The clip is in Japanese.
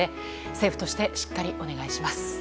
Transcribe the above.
政府としてしっかりお願いします。